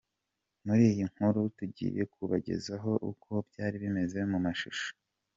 Muri iyi nkuru tugiye kubagezaho uko byari bimeze mu mashusho.